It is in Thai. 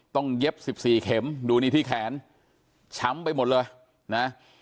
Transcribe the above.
ต้องเย็บสิบสี่เข็มดูนี่ที่แขนช้ำไปหมดเลยนะฮะ